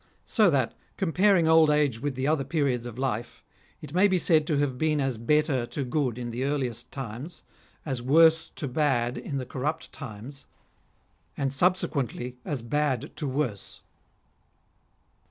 So that, comparing old age with the other periods of life, it may be said to have been as better to good in the earliest times ; as worse to bad in the corrupt times ; and subse quently as bad to worse.